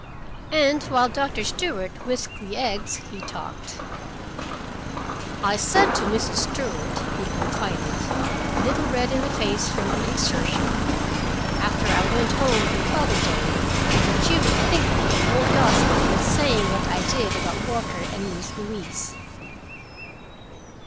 And while Doctor Stewart whisked the eggs he talked. "I said to Mrs. Stewart," he confided, a little red in the face from the exertion, "after I went home the other day, that you would think me an old gossip, for saying what I did about Walker and Miss Louise."